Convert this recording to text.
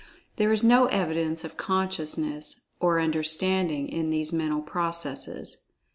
There is no evidence of "consciousness" or "understanding" in these mental processes.